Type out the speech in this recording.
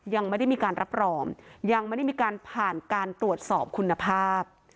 ยังไม่ได้มีการรับรองยังไม่ได้มีการผ่านการตรวจสอบคุณภาพ